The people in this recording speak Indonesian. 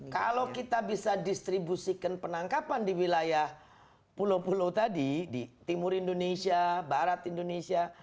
kalau kita bisa distribusikan penangkapan di wilayah pulau pulau tadi di timur indonesia barat indonesia